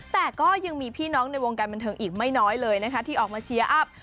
แต่ก็ยังมีพี่น้องในวงการบันเทิงอีกไม่น้อยเลยนะคะที่ออกมาเชียร์อัพ